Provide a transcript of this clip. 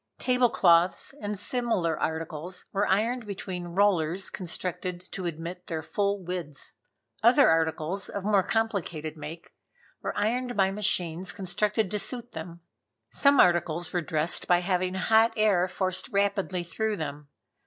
Table cloths and similar articles were ironed between rollers constructed to admit their full width. Other articles of more complicated make, were ironed by machines constructed to suit them. Some articles were dressed by having hot air forced rapidly through them.